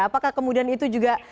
apakah kemudian itu juga